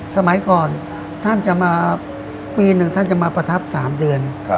สมัยก่อนท่านจะมาปีหนึ่งท่านจะมาประทับ๓เดือน